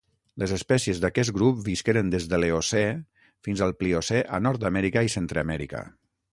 Les espècies d'aquest grup visqueren des de l'Eocè fins al Pliocè a Nord-amèrica i Centreamèrica.